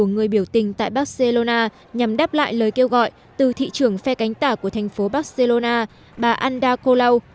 nhiều người biểu tình tại barcelona nhằm đáp lại lời kêu gọi từ thị trưởng phe cánh tả của thành phố barcelona bà anda colau